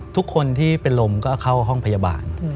ทุกคนที่เป็นลมก็เข้าห้องพยาบาล